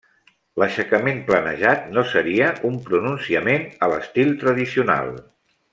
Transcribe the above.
L'aixecament planejat no seria un pronunciament a l'estil tradicional.